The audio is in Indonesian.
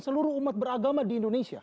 seluruh umat beragama di indonesia